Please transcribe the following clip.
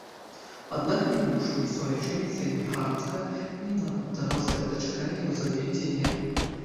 Аднак ні муж, ні суайчынніца-эмігрантка, ні нават дарослая дачка не разумеюць яе.